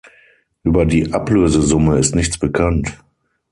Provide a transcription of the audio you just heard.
Über die Ablösesumme ist nichts bekannt.